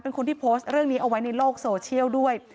คนที่โพสต์เรื่องนี้เอาไว้ในโลกโซเชียลด้วย